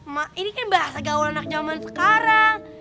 ma ini kan bahasa gaul anak jaman sekarang